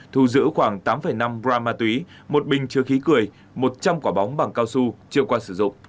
thu giữ khoảng tám năm gram ma túy một bình chứa khí cười một trăm linh quả bóng bằng cao su triệu qua sử dụng